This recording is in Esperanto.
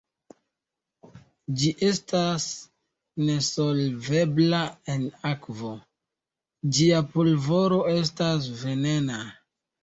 Ĝi estas nesolvebla en akvo, ĝia pulvoro estas venena.